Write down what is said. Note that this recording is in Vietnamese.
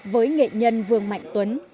với nghệ nhân vương mạnh tuấn